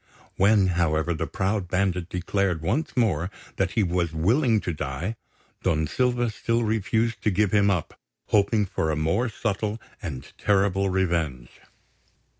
When, however, the proud bandit declared once more that he was willing to die, Don Silva still refused to give him up, hoping for a more subtle and terrible revenge.